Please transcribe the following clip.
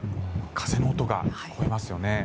風の音が聞こえますよね。